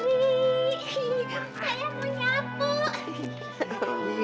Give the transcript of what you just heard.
aku juga seneng mak